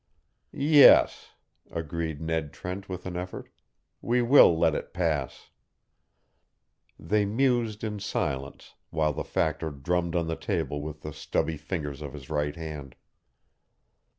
"Yes," agreed Ned Trent with an effort, "we will let it pass." They mused in silence, while the Factor drummed on the table with the stubby fingers of his right hand.